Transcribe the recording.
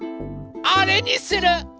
あれにする！